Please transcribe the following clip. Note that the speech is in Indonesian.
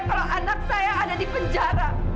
kalau anak saya ada di penjara